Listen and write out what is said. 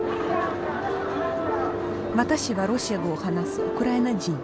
私はロシア語を話すウクライナ人。